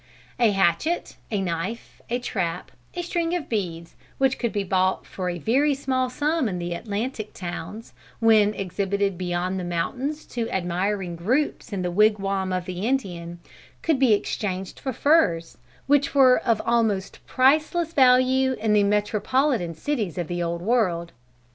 A hatchet, a knife, a trap, a string of beads, which could be bought for a very small sum in the Atlantic towns, when exhibited beyond the mountains to admiring groups in the wigwam of the Indian, could be exchanged for furs which were of almost priceless value in the metropolitan cities of the Old World.